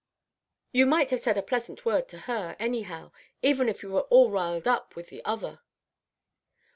You might have said a pleasant word to her, anyhow, even if you were all riled up with the other."